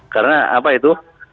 karena apa itu